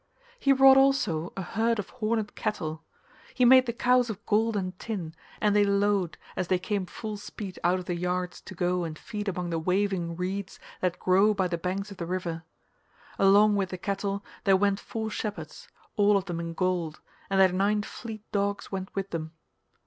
He wrought also a herd of horned cattle. He made the cows of gold and tin, and they lowed as they came full speed out of the yards to go and feed among the waving reeds that grow by the banks of the river. Along with the cattle there went four shepherds, all of them in gold, and their nine fleet dogs went with them.